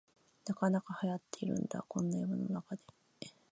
なかなかはやってるんだ、こんな山の中で